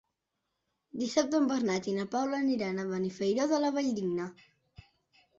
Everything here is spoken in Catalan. Dissabte en Bernat i na Paula aniran a Benifairó de la Valldigna.